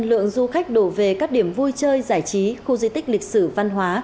lượng du khách đổ về các điểm vui chơi giải trí khu di tích lịch sử văn hóa